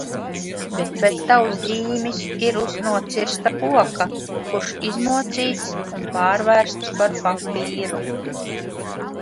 Bet tavs ģīmis ir uz nocirsta koka, kurš izmocīts un pārvērsts par papīru.